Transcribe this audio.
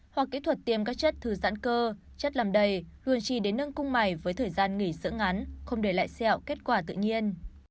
hoặc kỹ thuật tiêm các chất thứ giãn cơ chất làm đầy luôn trì đến nâng cung mày với thời gian nghỉ dưỡng ngắn không để lại sẹo kết quả tự nhiên